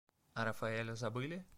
А Рафаэля забыли?